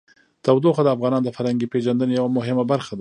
تودوخه د افغانانو د فرهنګي پیژندنې یوه مهمه برخه ده.